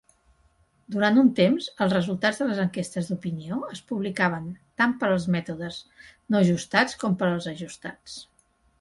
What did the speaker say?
Durant un temps, els resultats de les enquestes d'opinió es publicaven tant per als mètodes no ajustats com per als ajustats.